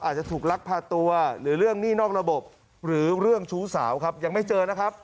อาจจะถูกลักพาตัวหรือเรื่องหนี้นอกระบบหรือเรื่องชู้สาวครับยังไม่เจอนะครับ